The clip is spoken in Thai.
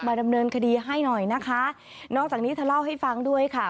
ดำเนินคดีให้หน่อยนะคะนอกจากนี้เธอเล่าให้ฟังด้วยค่ะ